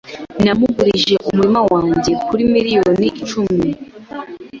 Namugurije umurima wanjye kuri miliyoni icumi